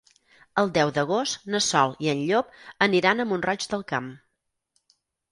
El deu d'agost na Sol i en Llop aniran a Mont-roig del Camp.